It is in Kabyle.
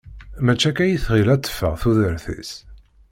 Mačči akka i tɣil ad teffeɣ tudert-is.